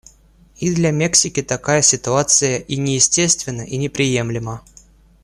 И для Мексики такая ситуация и не естественна, и не приемлема.